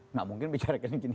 nggak mungkin bicara kini kini